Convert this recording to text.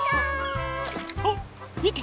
あっみて！